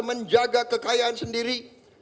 menjaga kekayaan sendiri